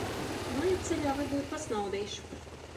Mājupceļā varbūt pasnaudīšu.